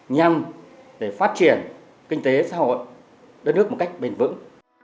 nhằm để phát triển kinh tế xã hội đất nước một cách bền vững